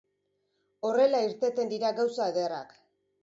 Horrela irteten dira gauza ederrak.